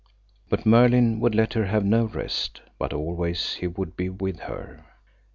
But Merlin would let her have no rest, but always he would be with her.